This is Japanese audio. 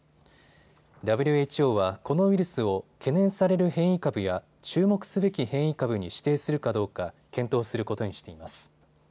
ＷＨＯはこのウイルスを懸念される変異株や注目すべき変異株に指定するかどうか検討することにしています。